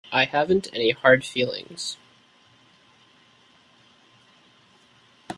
I haven't any hard feelings.